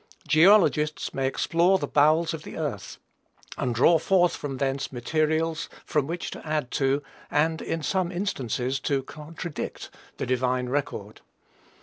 Geologists may explore the bowels of the earth, and draw forth from thence materials from which to add to, and, in some instances, to contradict, the Divine record.